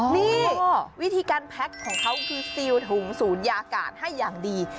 นี่วิธีการแพ็คของเขาคือซิลถุงศูนยากาศให้อย่างดี